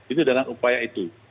itu dengan upaya itu